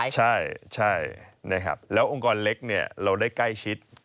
ใช่นะครับแล้วองค์กรเล็กเนี่ยเราได้ใกล้ชิด